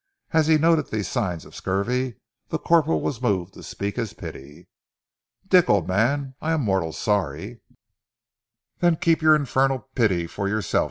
As he noted these signs of scurvy, the corporal was moved to speak his pity. "Dick, old man, I am mortal sorry " "Then keep your infernal pity for yourself!"